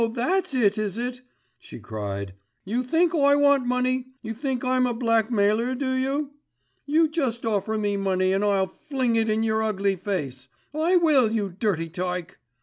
that's it, is it," she cried. "You think I want money. You think I'm a blackmailer, do you? You just offer me money and I'll fling it in yer ugly face, I will, you dirty tyke.